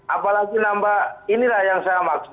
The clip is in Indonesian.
apalagi nambah inilah yang saya maksud